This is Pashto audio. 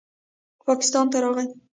پاکستان ته راغے